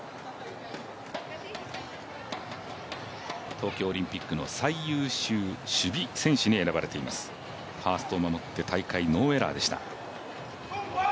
東京オリンピックの最優秀守備選手に選ばれていますファーストを守って大会、ノーエラーでした。